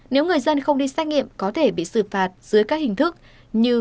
nếu người dân không đi xét nghiệm có thể bị xử phạt dưới các hình thức như